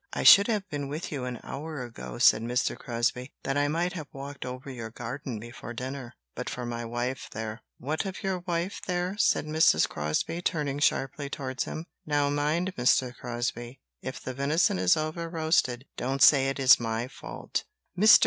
"I should have been with you an hour ago," said Mr. Crosbie, "that I might have walked over your garden before dinner, but for my wife there." "What of your wife there?" said Mrs. Crosbie, turning sharply towards him. "Now mind, Mr. Crosbie, if the venison is over roasted, don't say it is my fault." Mr.